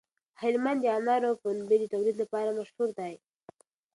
هلمند د انارو او پنبې د تولید لپاره مشهور دی.